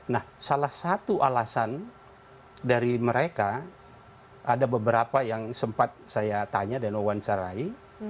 nah salah satu alasan dari mereka ada beberapa yang sempat saya tanya dan wawancarai